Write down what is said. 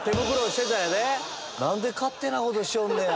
何で勝手なことしよんねや！